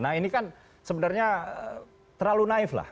nah ini kan sebenarnya terlalu naif lah